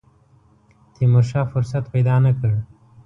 تیمورشاه فرصت پیدا نه کړ.